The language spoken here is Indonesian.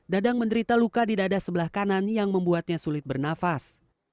dadang menderita luka di dada sebelah kanan yang membuatnya sulit bernafas